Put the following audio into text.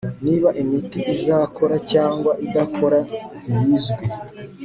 niba imiti izakora cyangwa idakora ntibizwi